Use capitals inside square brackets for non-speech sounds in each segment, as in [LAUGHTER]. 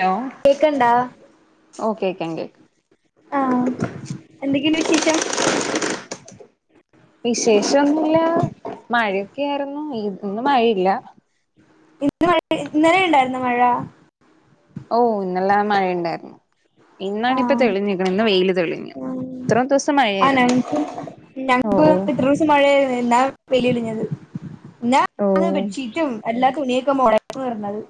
Hello കേക്കണ്ടാ ഓ കേക്ക കേക്ക് ആഹ് എന്തൊക്കണ്ട് വിശേഷം വിശേശൊന്നുല്ല മഴയൊക്കെ ആയിരുന്നു ഇത് ന്ന് മഴയില്ല ഇന്ന്ഴ ഇന്നലെ ണ്ടായിരുന്നോ മഴ. ഓ ഇന്നെല്ലാം മഴ ഇൻണ്ടായിരുന്നു ഇന്നാണ് ഇപ്പൊ തെളിഞ്ഞിക്ണ് ഇന്ന് വെയില് തെളിഞ്ഞു ഇത്രയും ദിവസം ആ മഴയായിരുന്നു ഞങ്ങക്ക് ഓ ഞങ്ങക്ക് ഓ എത്ര ദിവസം മഴ എന്ന വെളിയി ഞ്ഞത് ഓ ന്നാ ബെഡ്ഷീറ്റും അല്ലാ തുണിയി മൊടക്ക്‌ വർന്നത്.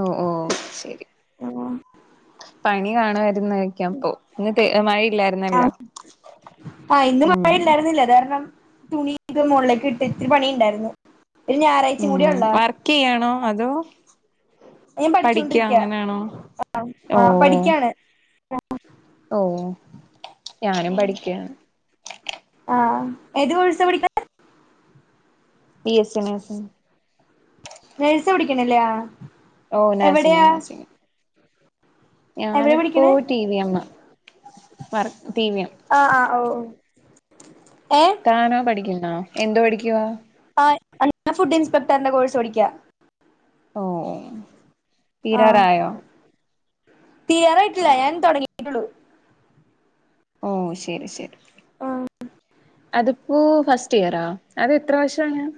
ഓഹ് ഓഹ് ശരി [UNINTELLIGIBLE] പണി കാണോഎ [UNINTELLIGIBLE] ഇന്ന് മഴയില്ലായിരുന്നല്ലോ ഉം തുണിത് മുഅളിലേക്ക് ഇട്ട് ഇത്തിരി പണിണ്ടായിരുന്നു. ഇ ഞായറാഴ്ച ഉം കൂടിയെ ഒള്ളോ. വർക്ക് ചെയ്യാണോ അതോ അയി പഠിക്ക പഠിച്ചൊണ്ടിരിക്യാ അങ്ങനെയാണോ ആഹ പഠിക്കാണ് ആ ഓഹ് ഞാനും പഠിക്കാണ് ആ ഏത് കോഴ്‌സ് പഠിക്കെണെ ബി എസി നഴ്സിംഗ് നെഴസ പിടിക്കണല്ലാ ഓ നാസിങ് നാസിങ് എവിടെ ഞാനിപ്പോ പഠിക്കണേ ടി വി എമ്മ വർ ടി വി എമ് ആഹ് ആഹ് ഓ ഏ താനോ പഠിക്കുന്നോ എന്തോ പഠിക്കുവാ ആഹ് അൻഹ ഫുഡ് ഇൻസ്പെക്ടറിന്റെ കോഴ്സ് പടിക്കാ ഓ ഓ തീരാറായോ തിയ്യാറായിട്ടില്ല ഞാൻ തുടങ്ങിയിട്ടുള്ളു ഓ ശരി ശരി ആ അതിപ്പോ ഫസ്റ്റ് ഇയറാ അത് എത്ര വർഷംമാണ് ഞാൻ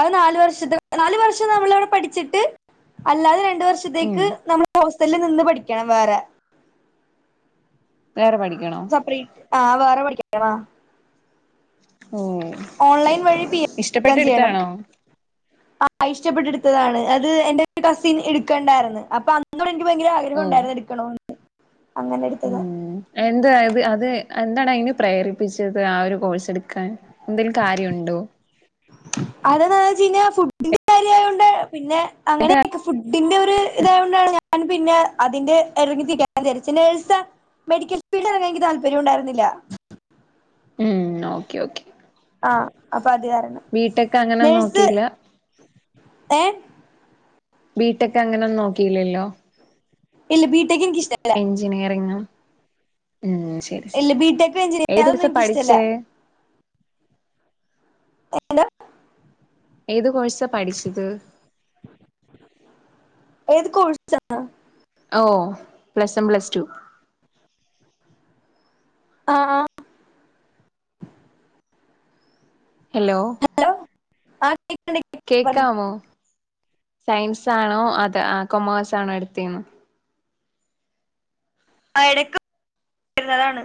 അത് നാല് വർഷത്തെ നാല് വർഷം നമ്മൾവിടെ പഠിച്ചിട്ട് അല്ലാതെ രണ്ട് ഉം വർഷത്തേക്ക് നമ്മ ഹോസ്റ്റലിൽ നിന്ന് പഠിക്കണം വേറെ വേറെ പഠിക്കണോ സപ്പറേറ്റ് ആ വേറെ പഠിക്ക. ഓ ഓക്കെ ഓൺലൈൻ ഓക്കെ വഴി ഇഷ്ടപ്പെട്ട് ചെയ്യണം എടുത്താണോ [UNINTELLIGIBLE] ത്തതാണ് അത് എന്റെ കസിൻ [UNINTELLIGIBLE] അത് എൻ്റെ കസിൻ എടുക്കേണ്ടായിരുന്നു അപ്പൊ അന്നുംകൂടെ എനിക്ക് ഭയങ്കര ആഗ്രഹം ഓ ഉണ്ടായിരുന്നു എടുക്കണ ഉം എന്താ ഇത് അത് എന്താണ് അതിന് പ്രേരിപ്പിച്ചത് ആ ഒരു കോഴ്സ് എടുക്കാൻ എന്തെങ്കിലും കാര്യോണ്ടോ ജിനെ ഫുഡിന്റെ കാര്യയോണ്ട് പിന്നെ അങ്ങനെയെ ഫുഡിന്റെ ഒരു ഇതായൊണ്ടാണ് ഞാൻ പിന്നെ അതിന്റെ ഇറങ്ങിതിരിക്ക വിചാരിച്ച് നെഴ്സാ മെഡിക്കൽ ഫീൽഡ് എറങ്ങാൻ എനിക്ക് താല്പര്യ ഉണ്ടായിരുന്നില്ല നോക്കേ ഓക്കേ ആ ഹ പത് കാരണം അങ്ങനൊന്നും നഴ്സ് നോക്കിയില്ല ഏ ബീടെക്ക് അങ്ങനൊന്ന് നോക്കീലല്ലോ ഇല്ല ബീട്ടെക്ക്ന ഇഷ്ട ഇല്ല ഉം ശരി ശരി ഇല്ല ബി ടെക് ഏത് ഞ്ചിഅഒന്നും കോഴ്സാ ഇൻക് ഇഷ്ടല്ല പഠിച്ചേ എടാ ഏത് കോഴ്സാ പഠിച്ചത് ഏത് കോഴ്സാ ഓ പ്ലസ് വൺ പ്ലസ് ടു ആ ഹലോ ഹലോ ആ കേൾക്കുന്നുണ്ട് കേൾക്കുന്നുണ്ട് പറഞ്ഞു. കേക്കാമോ സയൻസാണോ അത് ആഹ് കൊമേഴ്സ് ആണോ എടുത്തെന്ന് ആ എടക്ക് വരുന്നതാണ്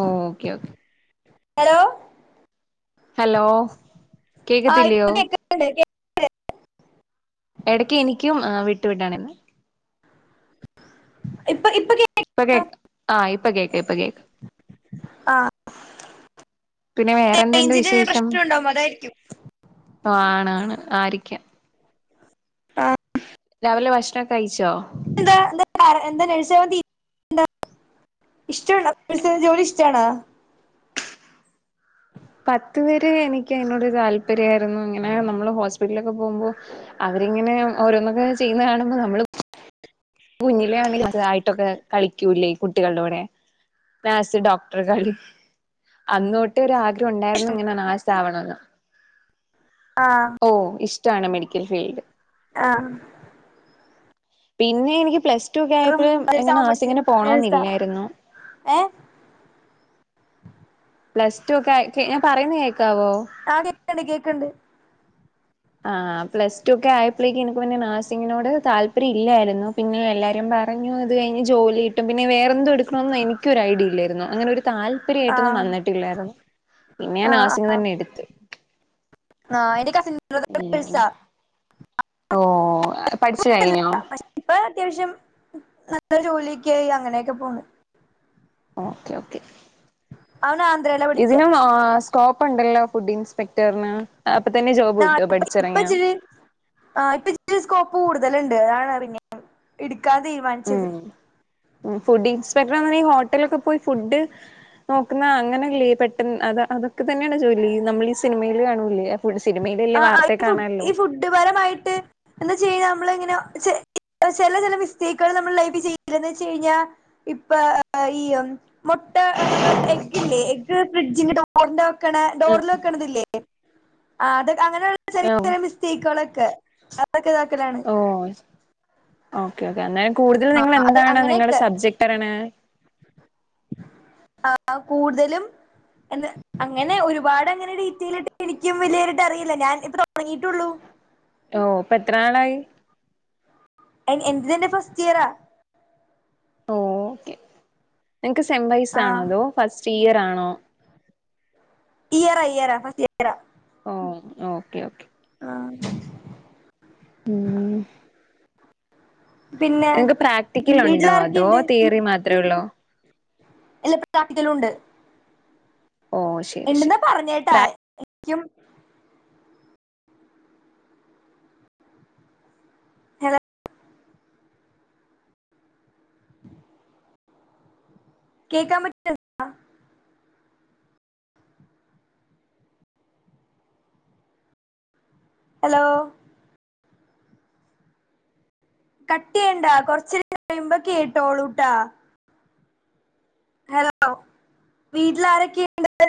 ഓ ഓക്കെ ഓക്കെ ഹലോ ഹലോ ആ ഇപ്പ കേക്കത്തില്ലയോ കേക്ണ്ട് ശ എടക്ക് എനിക്കും വിട്ടു വിടാണ്ന്ന് ഇപ്പൊ കേൾക്ക- ഇപ്പൊ കേക്ക ആ ഇപ്പൊ കേക്ക ഇപ്പൊ കേക്ക ആ പിന്നെ വേറെന്തുണ്ട് റേഞ്ചിന്റെ വിശേഷം പ്രശ്നം ണ്ടാവു അതായി രിക്കും. ആണാണ് ആരിക്കാം. ആ രാവിലെ ഭക്ഷണക്കെ കഴിച്ചോ എന്താ എന്താ എന്താ [UNINTELLIGIBLE] ഇഷ്ടണ ജോലി ഇഷ്ടണ പത്ത് വര് എനിക്ക് അയിനോട് താല്പര്യയിരുന്നു ഇങ്ങനെ നമ്മള് ഹോസ്പിറ്റലൊക്കെ പോകുമ്പോ അ രിങ്ങനെ ഓരോന്നൊക്കെ ചെയ്യുന്ന കാണുമ്പോ നമ്മള് കുഞ്ഞിലെണെ അത്‌ ആയിട്ടൊക്കെ കളിക്കൂല്ലേ ഈ കുട്ടികളുടെ കൂടെ വാസ് ഡോക്ടർ കളി അന്നോട്ട് ഒരാഗ്രഹം ഒണ്ടാര്ന്ന്ങ്ങനെ നാസ് ആവണന്ന് ഓ ഇഷ്ടാണ് മെഡിക്കൽ ഫീൽഡ് ആഹ് പിന്നെ എനിക്ക് പ്ലസ് [UNINTELLIGIBLE] റും ആയപ്പോഴ എങ്ങനെ നഴ്സാവാൻ ആസി പഠിച്ചേ ഇങ്ങനെ നഴ്സാ പോണന്നില്ലായിരുന്നു ഏഹ് പ്ലസ് ടു ഒക്കെ ക് ഞാൻ പറയുന്ന കേക്കാവോ ക്ക്‌ണ്ട് കേക്കണ്ട് ആഹ് പ്ലസ് ടു ഒക്കെയപ്പോഴേക്കക്ക് എനിക്ക് പിന്നെ നാസിങ്ങിനോട് താല്പര്യം ഇല്ലായി പിന്നെ എല്ലാരും പറഞ്ഞു അത് കഴിഞ്ഞ് ജോലി കിട്ടും പിന്നെ വേറെന്ത്‌ എടുക്കണോന്നും എനിക്കും ഒരു ഐഡിയ ഇല്ലായിരുന്നു അങ്ങനെ ഒരു താല്പര്യായിട്ടൊന്നും ആഹ് വന്നിട്ടില്ലാര്ന്നു പിന്നെ ഞാന് ആ [UNINTELLIGIBLE] തന്നെ എടുത്തു ആ എന്റെ ക ഓ പഠിച്ച് കഴിഞ്ഞോ പക്ഷെ ഇപ്പ അത്യാവശ്യം നല്ല ജോലിയൊക്കെയായി അങ്ങനെയൊക്കെ പോണ് ഓക്കെ ഓക്കെ അവൻ ആന്ധ്രയിലാ പഠിച്ചേ ഇതിനും ആ സ് സ്കോപ്പ് ണ്ടല്ലോ ഫുഡ്ഢി ഇൻസ്പെക്ട ട്ടർന്ന് അപ്പൊ തന്നെ ജോബ് ആഹ് കിട്ടോ ഇപ്പ പഠിച്ചറങ്ങിയാ ഇച്ചിരി താണ്റിഞ്ഞ് ഇടുക്കാൻ തീര്മാനിച്ചത് ഉം ഫുഡ് ഇൻസ്പെക്ടർ എന്ന നീ ഹോട്ടലൊക്കെ പോയി ഫുഡ് നോക്കുന്ന അങ്ങനല്ലേ പെട്ടെന്ന് അത് അതൊക്കെ തന്നെയാണ് ജോലി നമ്മൾ ഈ സിനിമയിൽ കാണൂലെ ആഈ ഫു ഈ ഫുഡ്പരമായിട്ട് എന്താ ചെയ്യ നമ്മള ഇങ്ങനെ ചെല ചെല മിസ്റ്റേക്കള് നമ്മൾ ലൈഫ് ചെയ്യില്ലെന്ന് വെച്ച് കഴിഞ്ഞാ ഇപ്പ ഈ മൊ ട്ട എനവ എഗ്ഗില്ലേ എഗ് ഫ്രിഡ്ജിന്റെ ടോറിന്റെ ക്കണ ഡോറില് വെക്കണതില്ലേ അത് അങ്ങനെയുള്ള ഓ ചെറിയ ചെറിയ മിസ്റ്റേക്കുകള് ഓ [UNINTELLIGIBLE] ഓക്കെ ഓക്കേ എന്നാലും കൂടുതൽ നിങ്ങള് എന്താണ് നിങ്ങളടെ അങ്ങനെയൊക്കെ സബ്ജക്ട്ണ് ആ കൂതലും എന്ന് അങ്ങനെ ഒരുപാട് ങ്ങനെ രീറ്റയിലയിട്ട് എനിക്കും വലിയായിട്ട് അറിയില്ല ഞാൻ ഇത്ര തുടങ്ങിട്ടുള്ളൂ ഓ ഇപ്പൊ എത്രനാളായി അയിന് എന്തിനെന്റെ ഫസ്റ്റ് ഇയറാ ഓക്കെ നിങ്ങക്ക് സെം ആ വൈസാണോ അതോ ഫസ്റ്റ് ഇയർ ആണോ ഇയറ ഇയറ ഫസ്റ്റ് ഇയറ ഓ ഓക്കേ ഓക്കേ ആഹ് ഉം നിനിക്ക് പ്രാക്ടിക്കൽ ഉണ്ടോ അതോ വീട്ടിലാരൊക്കെയുണ്ട് തീയറി മാത്രേ ഉള്ളൂ എല്ല [UNINTELLIGIBLE] കലുണ്ട് ഓ ശരി ഉണ്ടന്ന് ശരി പറഞ്ഞേട്ടാ പ്രാ എനിക്കും ഹലോ കേക്കാ പറ്റുന്നുണ്ടാ. ഹലോ കട്ടിയണ്ടാ കൊറച്ച കഴിയുമ്പ കേട്ടോളൂട്ടാ. ഹലോ വീട്ടില് ആാരൊക്കെ ഇണ്ട്